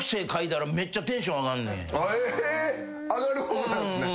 え上がる方なんすね。